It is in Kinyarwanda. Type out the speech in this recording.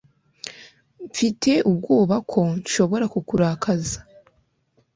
mfite ubwoba ko nshobora kukurakaza